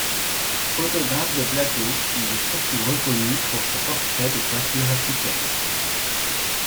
Photographe de plateau, il est surtout reconnu pour ses portraits de coiffures africaines.